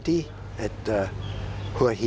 สำหรับริก